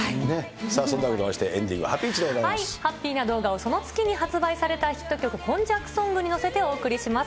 それではエンディング、ハッピーな動画を、その月に発売されたヒット曲、今昔ソングに乗せてお送りします。